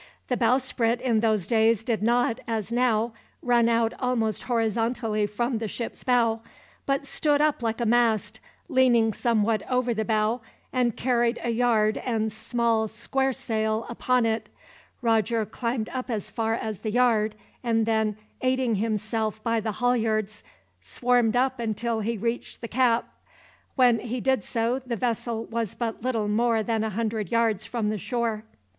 The bowsprit in those days did not, as now, run out almost horizontally from the ship's bow; but stood up like a mast, leaning somewhat over the bow, and carried a yard and small square sail upon it. Roger climbed up as far as the yard and then, aiding himself by the halyards, swarmed up until he reached the cap. When he did so the vessel was but little more than a hundred yards from the shore.